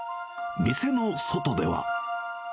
店の外では。